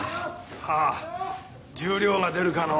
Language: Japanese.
ああ十両が出るかの。